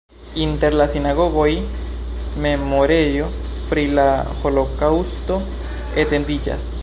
Inter la sinagogoj memorejo pri la holokaŭsto etendiĝas.